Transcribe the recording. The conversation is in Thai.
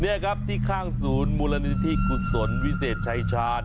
นี่ครับที่ข้างศูนย์มูลนิธิกุศลวิเศษชายชาญ